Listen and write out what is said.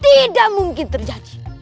tidak mungkin terjadi